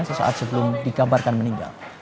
sesaat sebelum dikabarkan meninggal